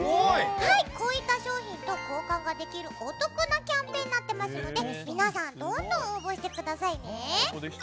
こういった商品と交換できるお得なキャンペーンなので皆さん、どんどん応募してくださいね。